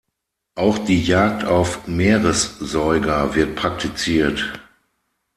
Auch die Jagd auf Meeressäuger wird praktiziert.